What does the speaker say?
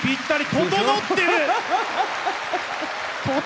ととのってます！